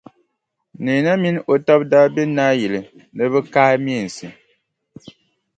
Neena mini o taba be Naayili ni bɛ kaai meensi.